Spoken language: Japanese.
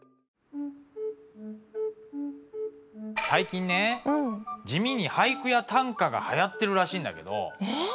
最近ね地味に俳句や短歌が流行ってるらしいんだけど。え！？